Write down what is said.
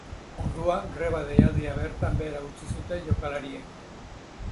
Orduan, greba deialdia bertan behera utzi zuten jokalariek.